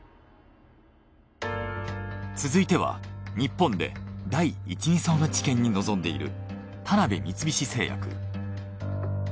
続いては日本で第１・２相の治験に臨んでいる田辺三菱製薬。